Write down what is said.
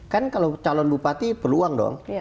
kan kalau calon bupati perlu uang dong